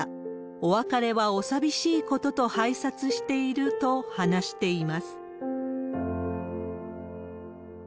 お別れはお寂しいことと拝察していると話しています。